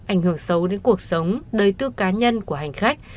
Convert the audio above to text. ảnh hưởng xấu đến cuộc sống đời tư cá nhân của hành khách